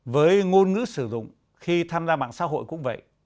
với ngôn ngữ sử dụng khi tham gia mạng xã hội cũng vậy